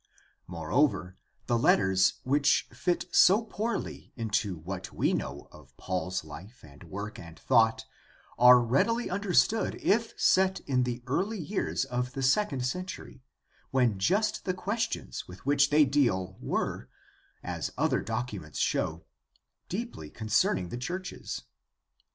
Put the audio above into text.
More over, the letters, which fit so poorly into what we know of Paul's life and work and thought, are readily understood if set in the early years of the second century when just the questions with which they deal were, as other documents show, deeply concerning the churches.